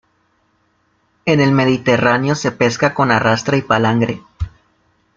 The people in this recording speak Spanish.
En el mediterráneo se pesca con arrastre y palangre.